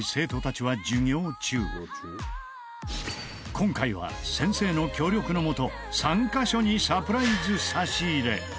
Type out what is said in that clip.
今回は先生の協力のもと３カ所にサプライズ差し入れ